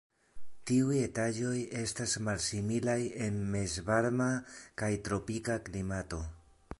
Tiuj etaĝoj estas malsimilaj en mezvarma kaj tropika klimato.